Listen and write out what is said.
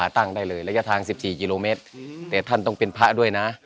ทางสิบสี่กิโลเมตรอืมแต่ท่านต้องเป็นพระด้วยน่ะ